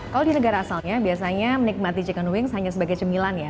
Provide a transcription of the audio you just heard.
kalau di negara asalnya biasanya menikmati chicken wings hanya sebagai cemilan ya